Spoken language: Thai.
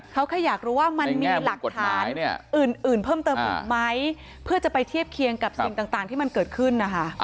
เขาแค่อยากรู้ว่ามันมีหลักฐานอื่นเพิ่มเติมอีกไหมเพื่อจะไปเทียบเคียงกับสิ่งต่างที่มันเกิดขึ้นนะคะ